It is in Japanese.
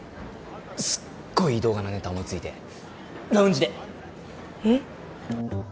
すっごいいい動画のネタ思いついてラウンジでえっ？